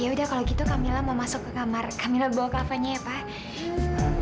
ya udah kalo gitu kamila mau masuk ke kamar kamila bawa kavanya ya pak